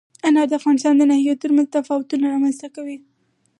انار د افغانستان د ناحیو ترمنځ تفاوتونه رامنځ ته کوي.